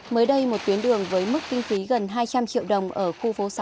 mới đây một tuyến đường với mức kinh phí gần hai trăm linh triệu đồng ở khu phố sáu